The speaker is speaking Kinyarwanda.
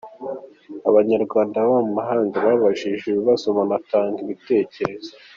Abanyarwanda baba mu mahanga babajije ibibazo banatanga ibitekerezo.